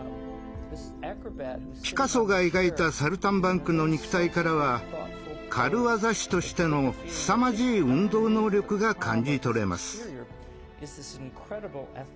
ピカソが描いたサルタンバンクの肉体からは軽業師としてのすさまじい運動能力が感じ取れます。